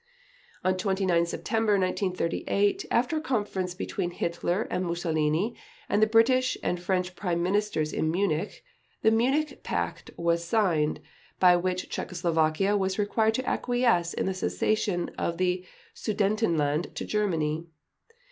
On 29 September 1938, after a conference between Hitler and Mussolini and the British and French Prime Ministers in Munich, the Munich Pact was signed, by which Czechoslovakia was required to acquiesce in the cession of the Sudetenland to Germany.